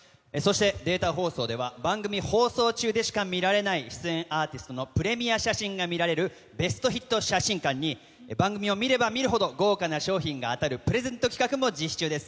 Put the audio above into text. データ放送では番組放送中でしか見られない出演アーティストのプレミア写真が見られるベストヒット写真館に番組を見れば見るほど豪華な賞品が当たるプレゼント企画も実施中です。